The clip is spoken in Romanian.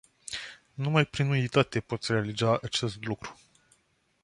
Numai prin unitate pot realiza acest lucru.